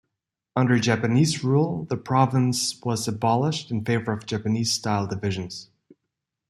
Under Japanese rule, the province was abolished in favour of Japanese-style divisions.